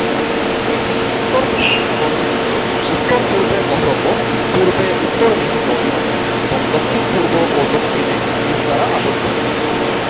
এটি উত্তর পশ্চিমে মন্টিনিগ্রো, উত্তর-পূর্বে কসোভো, পূর্বে উত্তর মেসিডোনিয়া এবং দক্ষিণ পূর্ব ও দক্ষিণে গ্রিস দ্বারা আবদ্ধ।